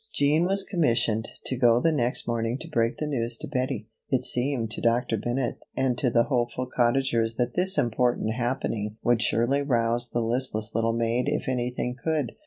Jean was commissioned to go the next morning to break the news to Bettie. It seemed to Dr. Bennett and to the hopeful Cottagers that this important happening would surely rouse the listless little maid if anything could.